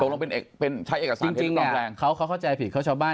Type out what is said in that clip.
ตรงตรงเป็นเป็นใช้เอกสารจริงจริงเนี้ยเขาเขาเข้าใจผิดข้าวชาวบ้าน